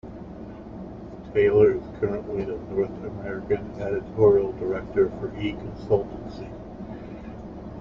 Taylor is currently the North American Editorial Director for Econsultancy.